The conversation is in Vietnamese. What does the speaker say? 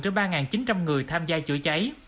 trên ba chín trăm linh người tham gia chữa cháy